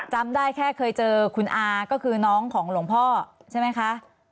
จำได้แค่เคยเจอคุณอาก็คือน้องของหลวงพ่อใช่ไหมคะ